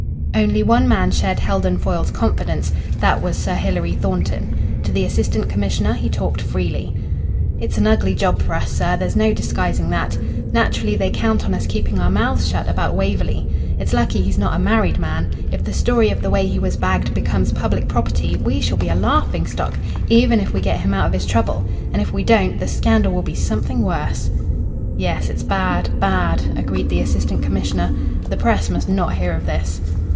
Only one man shared Heldon Foyle's confidence. That was Sir Hilary Thornton. To the Assistant Commissioner he talked freely. "It's an ugly job for us, sir, there's no disguising that. Naturally, they count on us keeping our mouths shut about Waverley. It's lucky he's not a married man. If the story of the way he was bagged becomes public property we shall be a laughing stock, even if we get him out of his trouble. And if we don't, the scandal will be something worse." "Yes. It's bad bad," agreed the Assistant Commissioner. "The Press must not hear of this."